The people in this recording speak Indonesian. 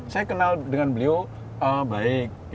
saya kenal dengan beliau baik